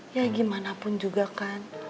ya gimana pun juga kan